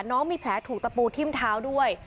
น้องมีแผลถูกตะปูทิ้มเท้าด้วย